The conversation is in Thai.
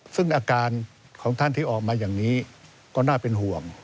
ซึ่งอาการของท่านที่ออกมาอย่างนี้ก็น่าเป็นห่วง